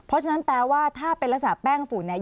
เพราะฉะนั้นแปลว่าถ้าเป็นลักษณะแป้งฝุ่นเนี่ย